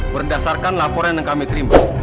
berdasarkan laporan yang kami terima